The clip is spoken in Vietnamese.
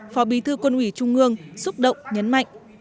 phó bí thư quân ủy trung ương xúc động nhấn mạnh